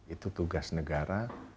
itu tugas negara